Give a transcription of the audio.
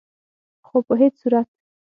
خو په هيڅ صورت